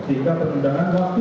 sehingga pertunjangan waktu